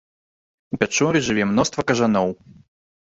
У пячоры жыве мноства кажаноў.